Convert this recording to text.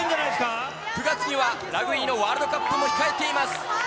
９月にはラグビーのワールドカップも控えています。